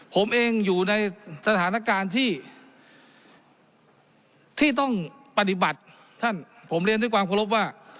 ผมเองอยู่ในสถานการณ์ที่ต้องปฏิบัติท่านผมเรียนด้วยความเคารพว่า